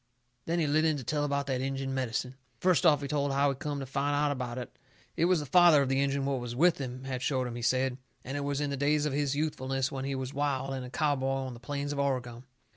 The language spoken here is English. Then he lit in to tell about that Injun medicine. First off he told how he come to find out about it. It was the father of the Injun what was with him had showed him, he said. And it was in the days of his youthfulness, when he was wild, and a cowboy on the plains of Oregon.